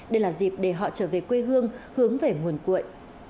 đây là dịp để họ trở về quê hương hướng về nguồn cuội